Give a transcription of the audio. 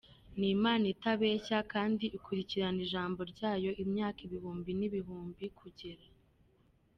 Ni Imana itabeshya kandi ikurikirana ijambo ryayo imyaka ibihumbi n'ibihumbi kugira.